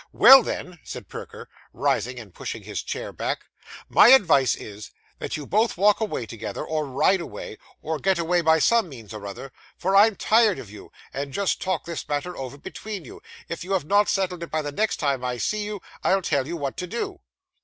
'Well then,' said Perker, rising and pushing his chair back, 'my advice is, that you both walk away together, or ride away, or get away by some means or other, for I'm tired of you, and just talk this matter over between you. If you have not settled it by the next time I see you, I'll tell you what to do.